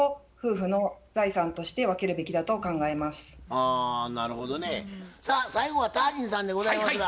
あなるほどね。さあ最後はタージンさんでございますが。